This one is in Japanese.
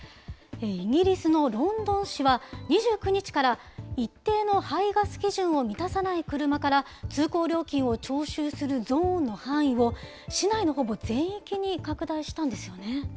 イギリスのロンドン市は、２９日から一定の排ガス基準を満たさない車から通行料金を徴収するゾーンの範囲を、市内のほぼ全域に拡大したんですよね。